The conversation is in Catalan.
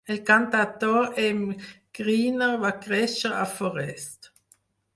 El cantautor Emm Gryner va créixer a Forest.